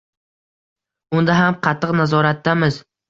Unda ham qattiq nazoratdamiz.